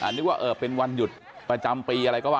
นึกว่าเป็นวันหยุดประจำปีอะไรก็ว่า